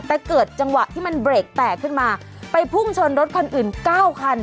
แต่เกิดจังหวะที่มันเบรกแตกขึ้นมาไปพุ่งชนรถคันอื่นเก้าคัน